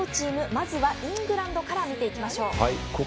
まずはイングランドから見ていきましょう。